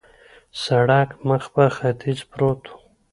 سړک مخ پر ختیځ پروت و.